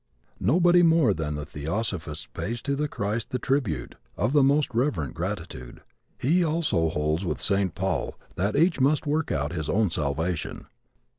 Nobody more than the theosophist pays to the Christ the tribute of the most reverent gratitude. He also holds with St. Paul that each must work out his own salvation.